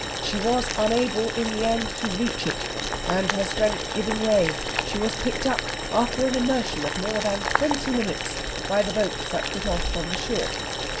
She was unable in the end to reach it, and her strength giving way, she was picked up, after an immersion of more than twenty minutes, by the boats that put off from the shore.